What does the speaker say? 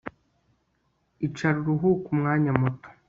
Icara uruhuke umwanya muto